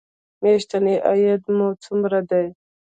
میاشتنی عاید مو څومره دی؟